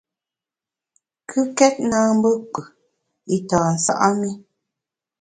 Kùkèt na mbe kpù i tâ nsa’ mi.